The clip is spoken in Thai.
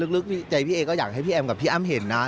พี่ใจพี่เอก็อยากให้พี่แอมกับพี่อ้ำเห็นนะ